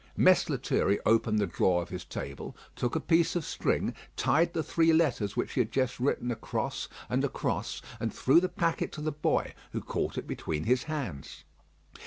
Mess Lethierry opened the drawer of his table, took a piece of string, tied the three letters which he had just written across and across, and threw the packet to the boy, who caught it between his hands.